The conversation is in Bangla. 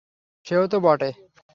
সেও তো বটে।